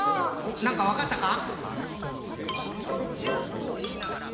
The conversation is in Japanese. なんかわかったか？